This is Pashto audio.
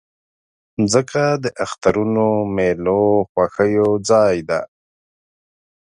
مځکه د اخترونو، میلو، خوښیو ځای ده.